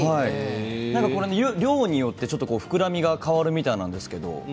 量によって膨らみが変わるみたいなんですけど。